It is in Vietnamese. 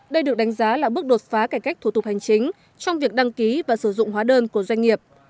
đây được đánh giá là bước đột phá cải cách thủ tục hành chính trong việc đăng ký và sử dụng hóa đơn của doanh nghiệp